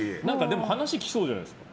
話きそうじゃないですか。